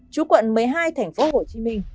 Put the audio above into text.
chú quận một mươi hai tp hcm